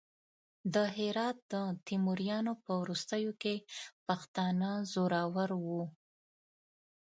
د هرات د تیموریانو په وروستیو کې پښتانه زورور وو.